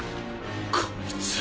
こいつ。